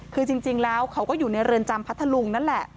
คือจริงแล้วเขาก็อยู่ในเรือนจำพัทธลุงนั่นแหละ